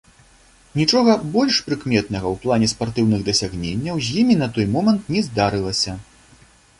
Нічога больш прыкметнага ў плане спартыўных дасягненняў з імі на той момант не здарылася.